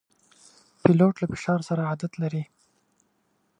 پیلوټ له فشار سره عادت لري.